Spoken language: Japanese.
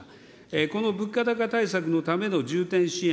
この物価高対策のための重点支援